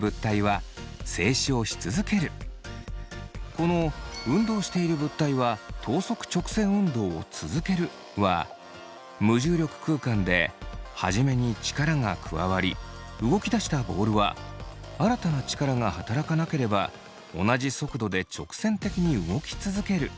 この「運動している物体は等速直線運動を続ける」は無重力空間で初めに力が加わり動き出したボールは新たな力が働かなければ同じ速度で直線的に動き続けるということ。